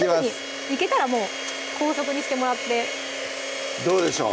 いけたらもう高速にしてもらってどうでしょう？